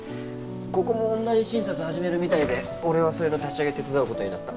ここもオンライン診察始めるみたいで俺はそれの立ち上げ手伝う事になった。